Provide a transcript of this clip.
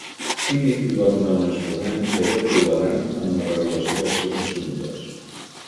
Philip li va donar un esborrany que era tolerant amb la regulació dels seus assumptes.